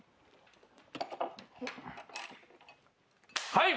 はい！